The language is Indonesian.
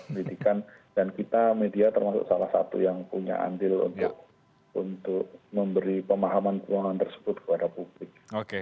pendidikan dan kita media termasuk salah satu yang punya andil untuk memberi pemahaman keuangan tersebut kepada publik